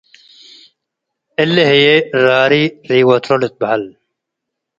እሊ ህዬ፡ “ራሪ ሪወትሮ' ልትበሀል ።